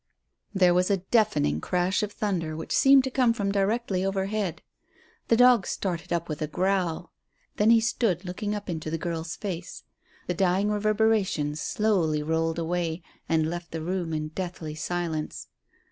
There was a deafening crash of thunder which seemed to come from directly overhead. The dog started up with a growl. Then he stood looking up into the girl's face. The dying reverberations slowly rolled away and left the room in deathly silence.